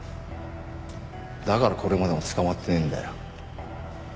だからこれまでも捕まってねえんだよ。